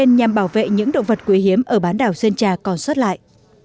ubnd nhằm bảo vệ những động vật quỷ hiếm ở bán đảo sơn trà còn xuất lại